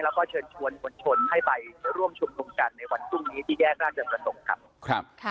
แล้วก็เชิญชวนมวลชนให้ไปร่วมชุมนุมกันในวันพรุ่งนี้ที่แยกราชประสงค์ครับ